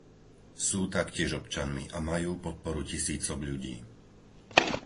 Sú taktiež občanmi a majú podporu tisícok ľudí.